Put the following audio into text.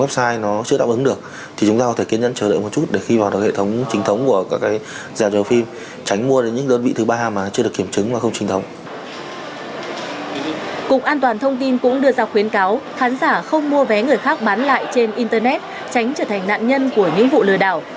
cục an toàn thông tin cũng đưa ra khuyến cáo khán giả không mua vé người khác bán lại trên internet tránh trở thành nạn nhân của những vụ lừa đảo